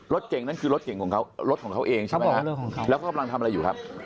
รถเจ๋งนั่นคือรถเจ๋งของเค้ารถของเค้าเองใช่ไหมครับแล้วเค้าพร้อมทำอะไรอยู่ครับ